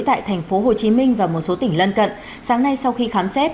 tại tp hcm và một số tỉnh lân cận sáng nay sau khi khám xét